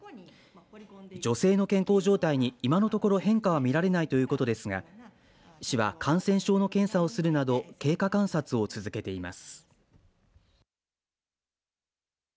女性の健康状態にいまのところ変化は見られないということですが市は感染症の検査をするなど経過観察を続けています。